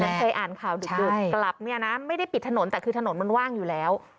เคยอ่านข่าวดึกกลับเนี่ยนะไม่ได้ปิดถนนแต่คือถนนมันว่างอยู่แล้ว